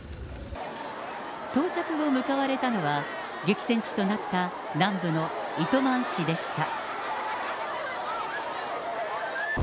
到着後、向かわれたのは、激戦地となった南部の糸満市でした。